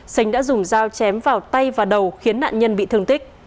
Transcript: sánh đã dùng dao chém vào tay và đầu khiến nạn nhân bị thương tích